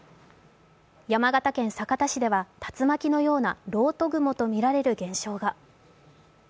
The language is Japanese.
山形県酒田市では竜巻のような漏斗雲とみられる現象が。